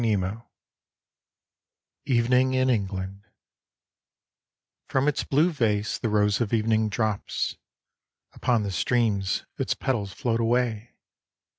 163 EVENING IN ENGLAND From its blue vase the rose of evening drops. Upon the streams its petals float away.